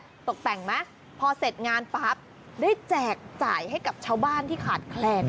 เขานำไปแต่งแล้วพอเสร็จงานปั๊บได้แจกจ่ายให้กับชาวบ้านที่ขาดแคลดด้วย